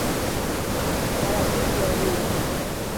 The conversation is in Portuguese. Parabéns minha amiga.